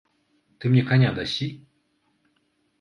Ты мне каня дасі?